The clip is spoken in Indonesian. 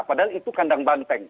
padahal itu kandang banteng